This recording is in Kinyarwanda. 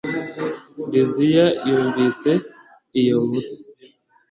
liziya yumvise iyo nkuru